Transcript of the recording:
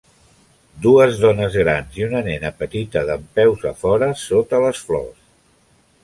Dues dones grans i una nena petita dempeus a fora sota les flors.